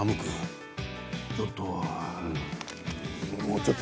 ちょっと。